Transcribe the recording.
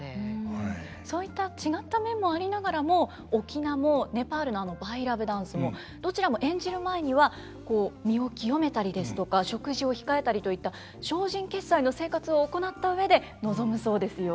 そういった違った面もありながらも翁もネパールのバイラヴダンスもどちらも演じる前にはこう身を清めたりですとか食事を控えたりといった精進潔斎の生活を行った上で臨むそうですよ。